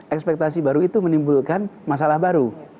ekspektasi baru itu menimbulkan masalah baru